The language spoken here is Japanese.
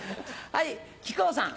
はい木久扇さん。